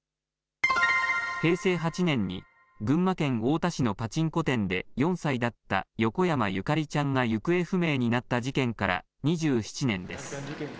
平成８年に群馬県太田市のパチンコ店で４歳だった横山ゆかりちゃんが行方不明になった事件から２７年です。